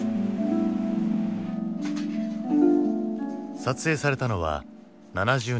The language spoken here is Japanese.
撮影されたのは７０年前。